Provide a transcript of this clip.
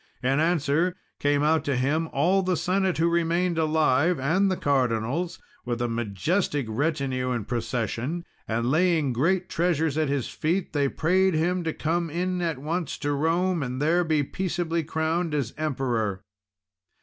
In answer, came out to him all the Senate who remained alive, and the Cardinals, with a majestic retinue and procession; and laying great treasures at his feet, they prayed him to come in at once to Rome, and there be peaceably crowned as Emperor.